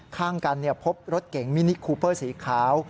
ข้างกันพบรถเก๋งมินิคูเปอร์สีขาว